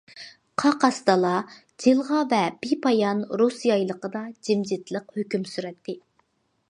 قاقاس دالا، جىلغا ۋە بىپايان رۇس يايلىقىدا جىمجىتلىق ھۆكۈم سۈرەتتى.